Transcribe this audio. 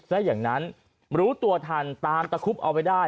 ซะอย่างนั้นรู้ตัวทันตามตะคุบเอาไว้ได้